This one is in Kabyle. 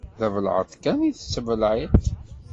D abelεeṭ kan i yettbelεiṭ.